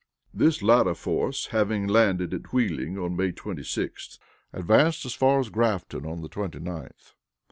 This latter force, having landed at Wheeling on May 26th, advanced as far as Grafton on the 29th.